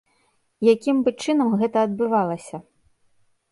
Якім бы чынам гэта адбывалася?